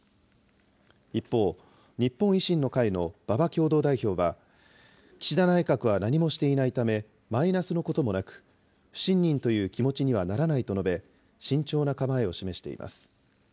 一方、日本維新の会の馬場共同代表は、岸田内閣は何もしていないためマイナスのこともなく、不信任という気持ちにはならないと述べ、慎重な構えを示しています。